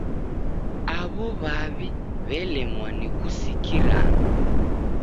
Aw'o w'aw'I w'elemwa ni kusikirana.